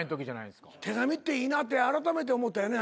手紙っていいなってあらためて思うたよね